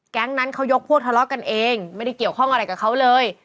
นั้นเขายกพวกทะเลาะกันเองไม่ได้เกี่ยวข้องอะไรกับเขาเลย